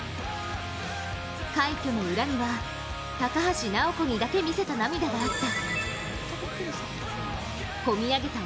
快挙の裏には、高橋尚子にだけ見せた涙があった。